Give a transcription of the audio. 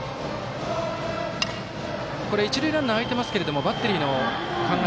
一塁ランナー空いていますけれどもバッテリーの考え